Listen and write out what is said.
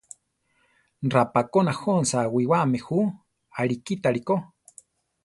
Rapákona jónsa awiwáame jú, arikítari ko.